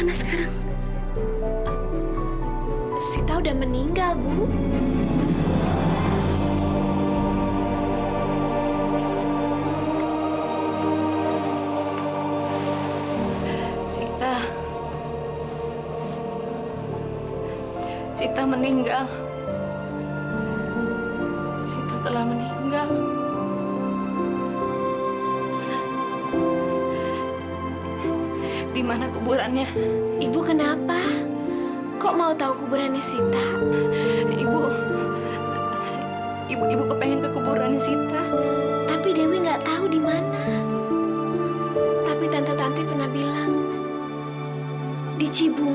terus belum nggak baik buat kesehatan ibu